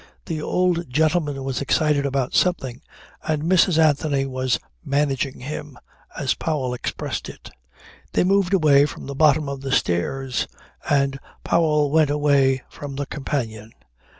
The old gentleman was excited about something and Mrs. Anthony was "managing him" as Powell expressed it. They moved away from the bottom of the stairs and Powell went away from the companion.